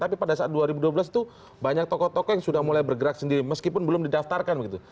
tapi pada saat dua ribu dua belas itu banyak tokoh tokoh yang sudah mulai bergerak sendiri meskipun belum didaftarkan begitu